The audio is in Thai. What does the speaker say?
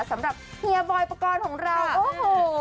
สำหรับเฮียบอยประกอบของเราโอ้โห